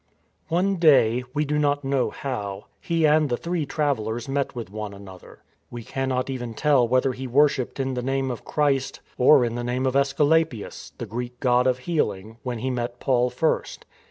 One day, we do not know how, he and the three travellers met with one another. We cannot even tell whether he worshipped in the Name of Christ or in the name of ^sculapius, the Greek god of healing, when he met Paul first.